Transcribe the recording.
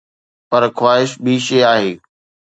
پر خواهش ٻي شيءِ آهي.